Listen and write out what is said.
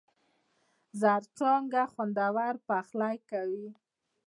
زرڅانگه! خوندور پخلی کوي.